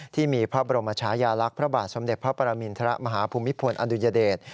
ที่มีพระบรมชายาลักษณ์พระบาทสมเด็จพระปรมินทรมาฮภูมิพลอดุญเดช